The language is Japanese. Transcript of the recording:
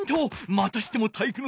またしても体育ノ